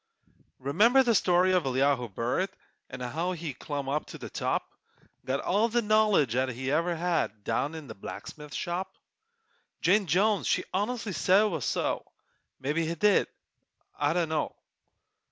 Remember the story of Elihu Burritt, An' how he clum up to the top, Got all the knowledge 'at he ever had Down in a blacksmithing shop? Jane Jones she honestly said it was so! Mebbe he did I dunno!